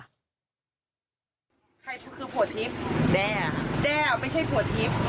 ใครคือผัวทิพย์แด้แด้ไม่ใช่ผัวทิพย์